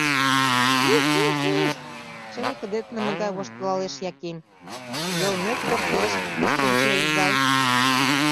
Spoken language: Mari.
— Ых-ых-ых! — чыве кыдетлыме гай воштылалеш Яким. — йылмет кертеш, Кыстинчи изай.